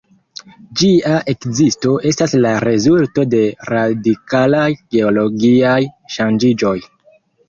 Ĝia ekzisto estas la rezulto de radikalaj geologiaj ŝanĝiĝoj.